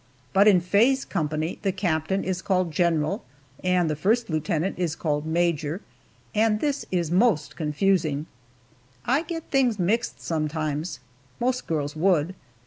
But in Faye's company, the captain is called general, and the first lieutenant is called major, and as this is most confusing, I get things mixed sometimes. Most girls would.